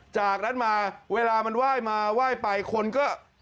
จากนั้นมาเวลามันไหว้มาไหว้ไปคนก็